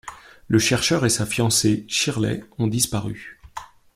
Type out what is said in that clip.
Le chercheur et sa fiancée Shirley ont disparu.